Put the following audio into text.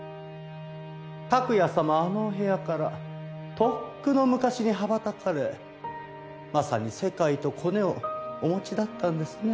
拓也様はあのお部屋からとっくの昔に羽ばたかれまさに世界とコネをお持ちだったんですね。